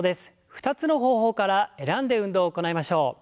２つの方法から選んで運動を行いましょう。